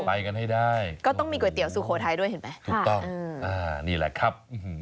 ไปกันให้ได้ก็ต้องมีก๋วยเตี๋สุโขทัยด้วยเห็นไหมถูกต้องนี่แหละครับ